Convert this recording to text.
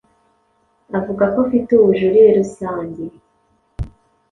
Avuga ko afite ubujurire rusange